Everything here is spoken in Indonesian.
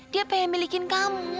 dia pengen milikin kamu